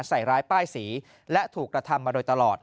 ใส่ร้ายป้ายสีและถูกกระทำมาโดยตลอด